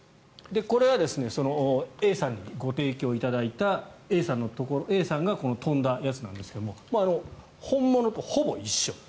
これはＡさんにご提供いただいたＡさんが飛んだやつなんですが本物とほぼ一緒。